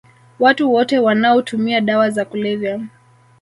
Watu wote wanaotumia dawa za kulevya